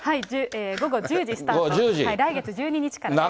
午後１０時スタート、来月１２日からです。